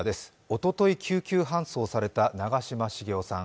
おととい救急搬送された長嶋茂雄さん。